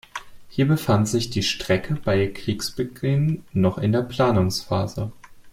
Hier befand sich die Strecke bei Kriegsbeginn noch in der Planungsphase.